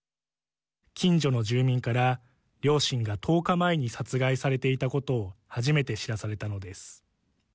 近所の住民から両親が１０日前に殺害されていたことを初めて知らされたのです。